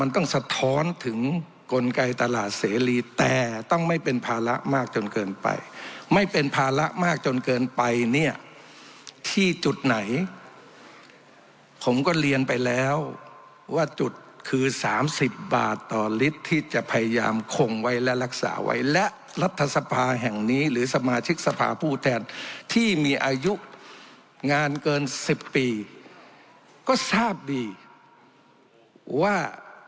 ต้องสะท้อนถึงกลไกตลาดเสรีแต่ต้องไม่เป็นภาระมากจนเกินไปไม่เป็นภาระมากจนเกินไปเนี่ยที่จุดไหนผมก็เรียนไปแล้วว่าจุดคือ๓๐บาทต่อลิตรที่จะพยายามคงไว้และรักษาไว้และรัฐสภาแห่งนี้หรือสมาชิกสภาผู้แทนที่มีอายุงานเกิน๑๐ปีก็ทราบดีว่า